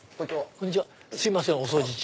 すいませんお掃除中。